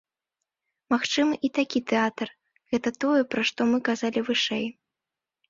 Магчымы і такі тэатр, гэта тое, пра што мы казалі вышэй.